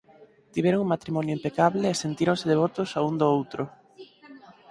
Tiveron un matrimonio impecable e sentíronse devotos o un do outro.